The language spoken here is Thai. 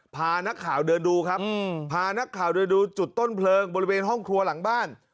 พานักข่าวเดินดูครับพานักข่าวเดินดูจุดต้นเพลิงบริเวณห้องครัวหลังบ้าน